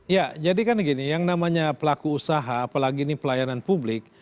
ya jadi kan gini yang namanya pelaku usaha apalagi ini pelayanan publik